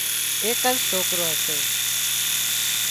ايڪز سوڪرو هتو